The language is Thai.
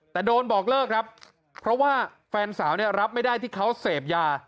แต่โดนบอกเลิกครับเพราะว่าแฟนสาวเนี่ยรับไม่ได้ที่เขาเสพยา